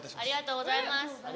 ありがとうございます。